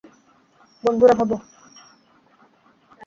বন্ধুরা, ভাবো।